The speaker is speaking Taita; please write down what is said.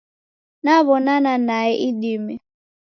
Naw'onana nae idime.